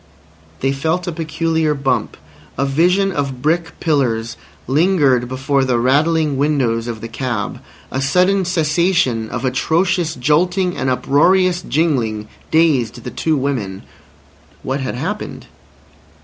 They felt a peculiar bump; a vision of brick pillars lingered before the rattling windows of the cab; a sudden cessation of atrocious jolting and uproarious jingling dazed the two women. What had happened?